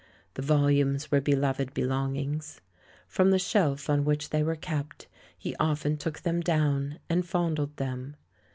The volumes were beloved belongings ; from the shelf on which they were kept he often took them down and fondled them.